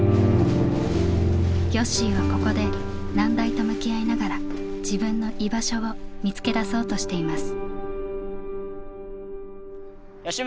よっしーはここで難題と向き合いながら自分の「居場所」を見つけだそうとしています。